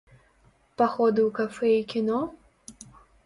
Паходы ў кафэ і кіно?